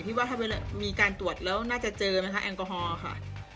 ว่าถ้าเวลามีการตรวจแล้วน่าจะเจอไหมคะแอลกอฮอล์ค่ะ